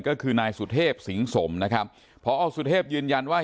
ก็คือนายสุเทพสิงสมนะครับพอสุเทพยืนยันว่า